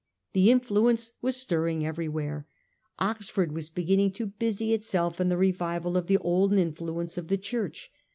The influence was stirring everywhere. Ox ford was beginning to busy itself in the revival of the olden influence of the Church.